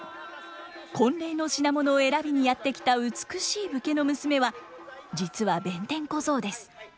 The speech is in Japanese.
婚礼の品物を選びにやって来た美しい武家の娘は実は弁天小僧です。